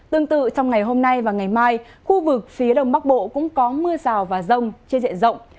tương tự trong ngày hôm nay và ngày mai khu vực phía đông bắc bộ cũng có mưa rào và rông trên diện rộng